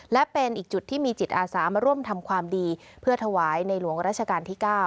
และเป็นอีกจุดที่มีจิตอาสามาร่วมทำความดีเพื่อถวายในหลวงราชการที่๙